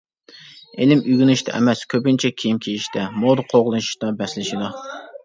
ئىلىم ئۆگىنىشتە ئەمەس، كۆپىنچە كىيىم كىيىشتە، مودا قوغلىشىشتا بەسلىشىدۇ.